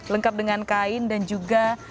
lengkap dengan kain dan juga